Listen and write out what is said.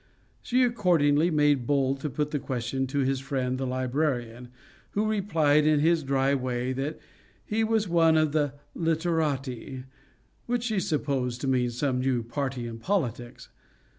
She accordingly made bold to put the question to his friend the librarian, who replied, in his dry way, that he was one of the Literati; which she supposed to mean some new party in politics.